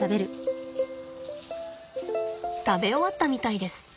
食べ終わったみたいです。